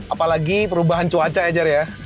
apalagi perubahan cuaca aja jar ya